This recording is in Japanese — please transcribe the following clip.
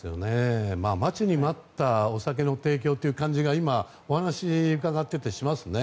待ちに待ったお酒の提供という感じがお話を伺っていてしますね。